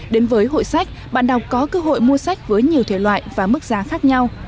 đến với hội sách bạn đọc có cơ hội mua sách với nhiều thể loại và mức giá khác nhau